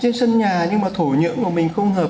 trên sân nhà nhưng mà thổ nhưỡng của mình không hợp